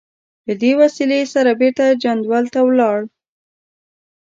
له دې وسلې سره بېرته جندول ته ولاړ.